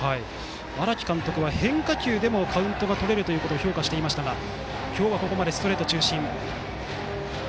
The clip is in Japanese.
荒木監督は変化球でもカウントがとれることを評価していましたが今日はここまでストレート中心。